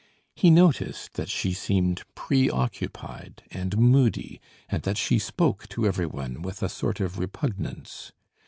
He noticed that she seemed pre occupied and moody, and that she spoke to every one with a sort of repugnance.